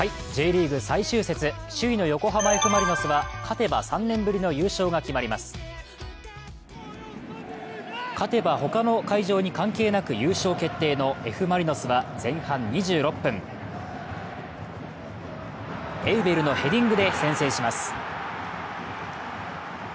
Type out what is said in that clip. Ｊリーグ最終節、首位の横浜Ｆ・マリノスは勝てば３年ぶりの優勝が決まります勝てばほかの会場に関係なく優勝決定のＦ・マリノスは前半２６分、エウベルのヘディングで先制します。